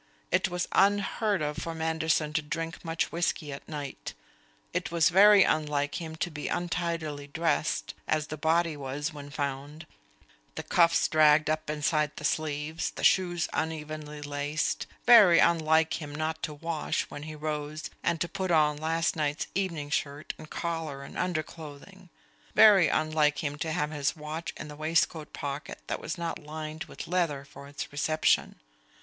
It was unheard of for Manderson to drink much whisky at night. It was very unlike him to be untidily dressed, as the body was when found the cuffs dragged up inside the sleeves, the shoes unevenly laced; very unlike him not to wash, when he rose, and to put on last night's evening shirt and collar and underclothing; very unlike him to have his watch in the waistcoat pocket that was not lined with leather for its reception.